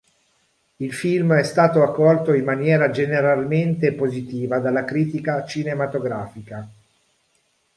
Il film è stato accolto in maniera generalmente positiva dalla critica cinematografica.